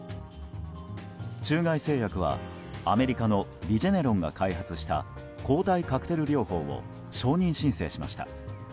中外製薬は、アメリカのリジェネロンが開発した抗体カクテル療法を承認申請しました。